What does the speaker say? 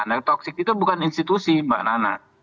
nah toxic itu bukan institusi mbak nana